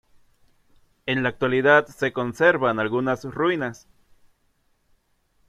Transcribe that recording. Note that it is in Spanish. En la actualidad se conservan algunas ruinas.